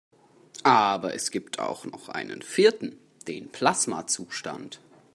Aber es gibt auch noch einen vierten: Den Plasmazustand.